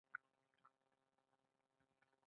افغانستان د بامیان له مخې پېژندل کېږي.